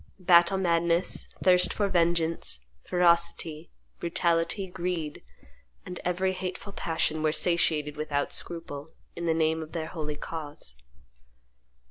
Battle madness, thirst for vengeance, ferocity, brutality, greed, and every hateful passion were satiated without scruple, in the name of their holy cause.